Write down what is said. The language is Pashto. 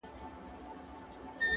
• یا درویش سي یا سایل سي یاکاروان سي,